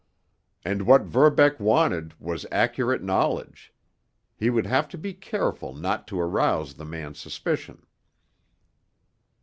And what Verbeck wanted was accurate knowledge; he would have to be careful not to arouse the man's suspicion.